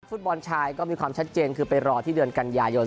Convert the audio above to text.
ฟุตบอลชายก็มีความชัดเจนคือไปรอที่เดือนกันยายน